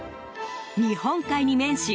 日本海に面し